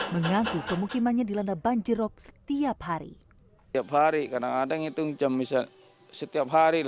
menganggu pemukimannya di landa banjirop setiap hari